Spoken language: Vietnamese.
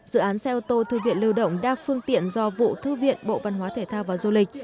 dự án xe ô tô thư viện lưu động đa phương tiện do vụ thư viện bộ văn hóa thể thao và du lịch